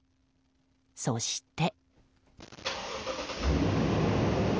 そして。